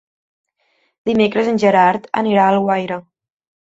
Dimecres en Gerard anirà a Alguaire.